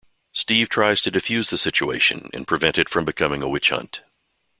Steve tries to defuse the situation and prevent it from becoming a witch-hunt.